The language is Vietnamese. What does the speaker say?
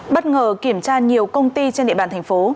bất ngờ kiểm tra nhiều công ty trên địa bàn thành phố